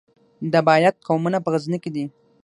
د بیات قومونه په غزني کې دي